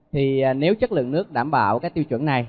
thì nếu chất lượng nước đảm bảo cái tiêu chuẩn này